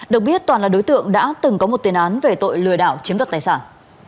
được biết toàn là đối tượng đã từng có một tiền án về tội lừa đảo chiếm đoạt tài sản